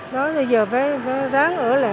đó giờ phải ráng ở lại